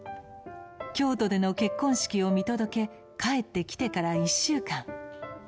京都での結婚式を見届け帰ってきてから１週間。